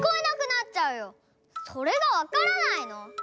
それがわからないの？